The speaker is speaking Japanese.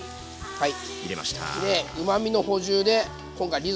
はい。